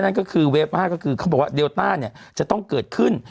นั่นก็คือเวฟ๕ก็คือเขาบอกว่าเดลต้าเนี่ยจะต้องเกิดขึ้น